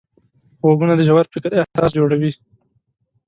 غوږونه د ژور فکر اساس جوړوي